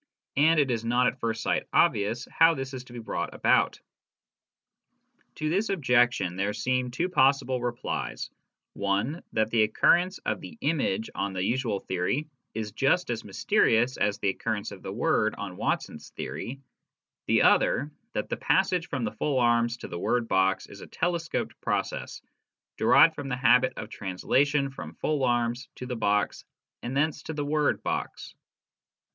And it is not at first sight obvious how this is to be brought about. To this objection there seem two possible replies : one, that the occurrence of the image on the usual theory is just as mysterious as the occurrence of the word on Watson's theory ; the other, that the passage from full arms to the word " box " is a telescoped process, derived from the habit of the transition from full arms to the box and thence to the word " box."